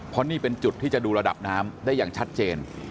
เพราะนี่เป็นจุดที่จะดูระดับน้ำได้อย่างชัดเจน